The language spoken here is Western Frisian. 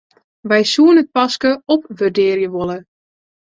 Wy soenen it paske opwurdearje wolle.